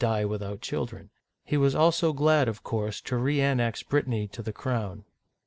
die without children. He was also glad, of course, to reannex Brit tany to the crown.